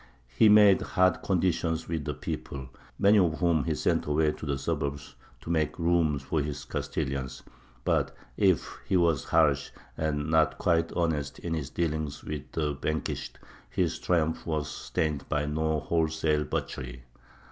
He made hard conditions with the people, many of whom he sent away to the suburbs to make room for his Castilians. But if he was harsh and not quite honest in his dealings with the vanquished, his triumph was stained by no wholesale butchery.